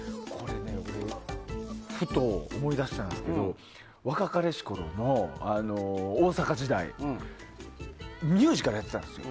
俺、ふと思い出したんですが若かりしきころの大阪時代ミュージカルやってたんですよ。